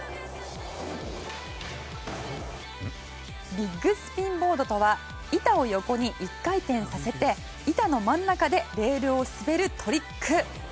ビッグスピンボードとは板を横に１回転させて板の真ん中でレールを滑るトリック。